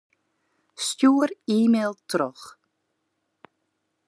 Stjoer e-mail troch.